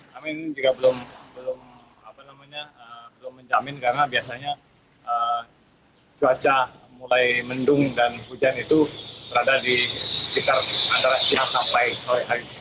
namun ini juga belum menjamin karena biasanya cuaca mulai mendung dan hujan itu berada di sekitar antara siang sampai sore hari